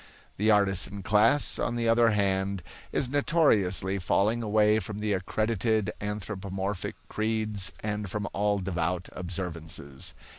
The artisan class, on the other hand, is notoriously falling away from the accredited anthropomorphic creeds and from all devout observances.